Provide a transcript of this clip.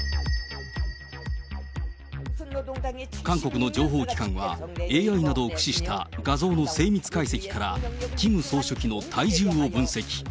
韓国の情報機関は、ＡＩなどを駆使した画像の精密解析から、キム総書記の体重を分析。